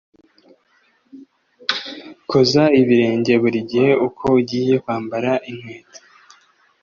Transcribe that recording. Koza ibirenge buri gihe uko ugiye kwambara inkweto